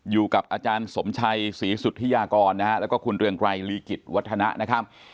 อยู่กับอาจารย์สมชัยศรีสุธิยากรนะฮะแล้วก็คุณเรืองไกรลีกิจวัฒนะนะครับ